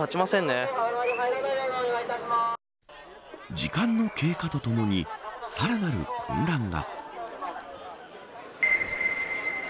時間の経過とともにさらなる混乱が。